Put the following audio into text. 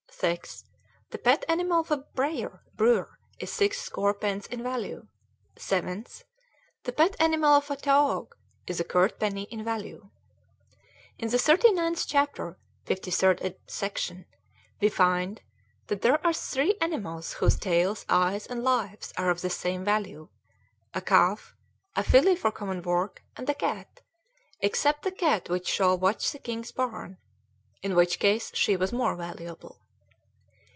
6th. The pet animal of a breyer (brewer) is six score pence in value. 7th. The pet animal of a taoog is a curt penny in value. In the 39th chapter, 53d section, we find that "there are three animals whose tails, eyes, and lives are of the same value a calf, a filly for common work, and a cat, except the cat which shall watch the king's barn," in which case she was more valuable.